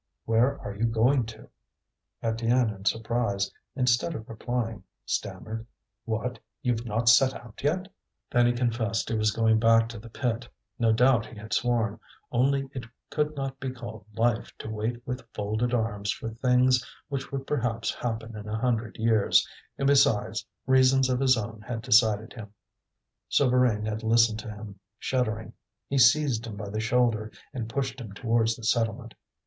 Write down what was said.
"Where are you going to?" Étienne, in surprise, instead of replying, stammered: "What! you've not set out yet!" Then he confessed he was going back to the pit. No doubt he had sworn; only it could not be called life to wait with folded arms for things which would perhaps happen in a hundred years; and, besides, reasons of his own had decided him. Souvarine had listened to him, shuddering. He seized him by the shoulder, and pushed him towards the settlement.